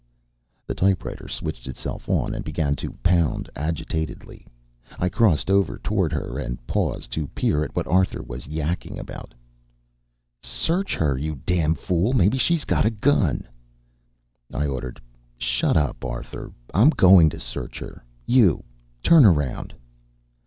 The typewriter switched itself on and began to pound agitatedly. I crossed over toward her and paused to peer at what Arthur was yacking about: SEARCH HER YOU DAMN FOOL MAYBE SHES GOT A GUN I ordered: "Shut up, Arthur. I'm going to search her. You! Turn around!"